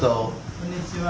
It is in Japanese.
こんにちは。